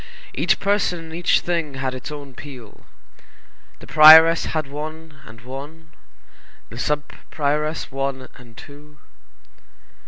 Each person and each thing had its own peal. The prioress had one and one, the sub prioress one and two.